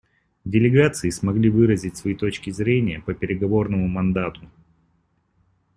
Делегации смогли выразить свои точки зрения по переговорному мандату.